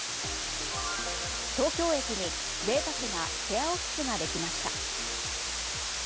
東京駅に贅沢なシェアオフィスができました。